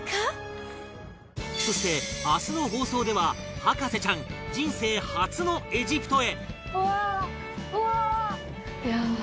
そして明日の放送では博士ちゃん人生初のエジプトへ